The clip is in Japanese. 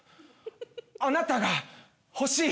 あなたが欲しい。